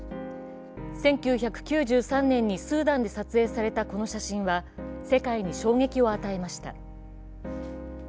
１９９３年にスーダンで撮影されたこの写真は世界に衝撃を与えました。